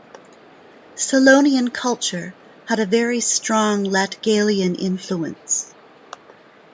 Selonian culture had a very strong Latgalian influence.